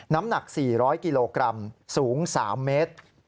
น้ำหนัก๔๐๐กิโลกรัมสูง๓เมตร